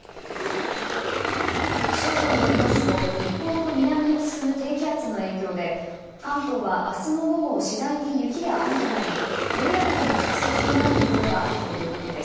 気象庁によりますと日本の南を進む低気圧の影響で関東は明日の午後次第に雪や雨となり平野部でも積雪となるところがあるということです。